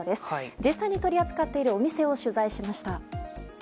実際に取り扱っているお店を取材しました。